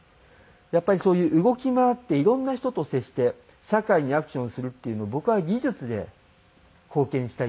やっぱりそういう動き回っていろんな人と接して社会にアクションするっていうのを僕は技術で貢献したい。